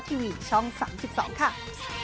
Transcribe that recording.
สวัสดีครับ